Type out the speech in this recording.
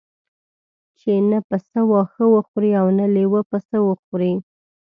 چې نه پسه واښه وخوري او نه لېوه پسه وخوري.